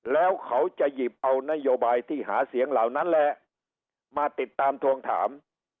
แล้วเขาจะหยิบเอานโยบายที่หาเสียงเหล่านั้นแหละมาติดตามทวงถาม